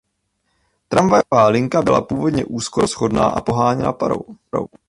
Tramvajová linka byla původně úzkorozchodná a poháněna parou.